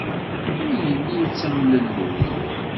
Ur yelli yettemlelluy.